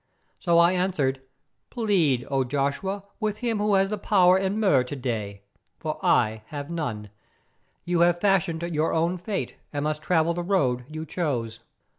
So I answered: "Plead, O Joshua, with him who has the power in Mur to day, for I have none. You have fashioned your own fate, and must travel the road you chose."